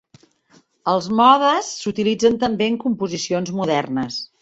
Els modes s'utilitzen també en composicions modernes.